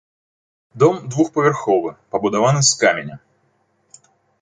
Дом двухпавярховы, пабудаваны з каменя.